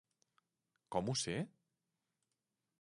Com ho sé?